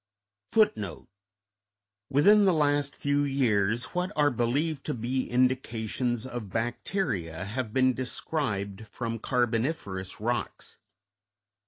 _Within the last few years what are believed to be indications of bacteria have been described from carboniferous rocks.